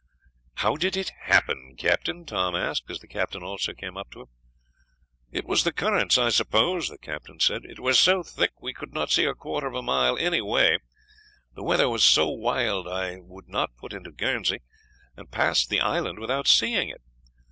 "How did it happen, captain?" Tom asked, as the captain also came up to him. "It was the currents, I suppose," the captain said; "it was so thick we could not see a quarter of a mile any way. The weather was so wild I would not put into Guernsey, and passed the island without seeing it.